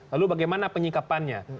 lalu bagaimana penyikapannya